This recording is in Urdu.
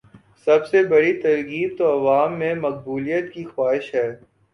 سب سے بڑی ترغیب تو عوام میں مقبولیت کی خواہش ہے۔